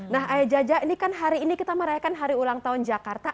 nah ayah jaja ini kan hari ini kita merayakan hari ulang tahun jakarta